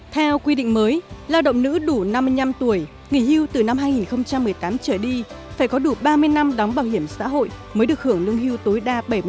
theo quy định mới lao động nữ đủ năm mươi năm tuổi nghỉ hưu từ năm hai nghìn một mươi tám trở đi phải có đủ ba mươi năm đóng bảo hiểm xã hội mới được hưởng lương hưu tối đa bảy mươi năm